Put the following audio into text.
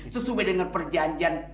sesuai dengan perjanjian